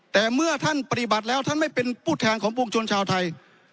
แต่เมื่อท่านปฏิบัติแล้วท่านไม่เป็นผู้แทนของปวงชนชาวไทย